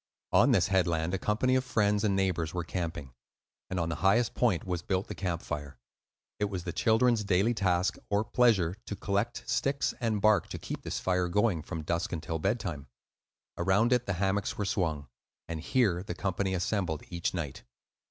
On this headland a company of friends and neighbors were camping; and on the highest point was built the camp fire. It was the children's daily task (or pleasure) to collect sticks and bark to keep this fire going from dusk until bedtime. Around it the hammocks were swung, and here the company assembled each night.